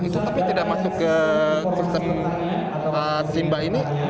itu tapi tidak masuk ke konsep simba ini